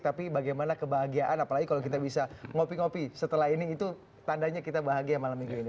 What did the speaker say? tapi bagaimana kebahagiaan apalagi kalau kita bisa ngopi ngopi setelah ini itu tandanya kita bahagia malam minggu ini